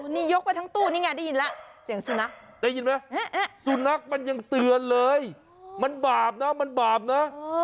นี่ยกไปทั้งตู้นี่ไงได้ยินแล้วเสียงสุนัขได้ยินไหมสุนัขมันยังเตือนเลยมันบาปนะมันบาปนะ